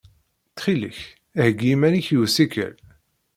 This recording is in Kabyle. Ttxil-k heyyi iman-ik i usikel.